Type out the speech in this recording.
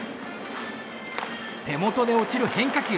手元で落ちる変化球。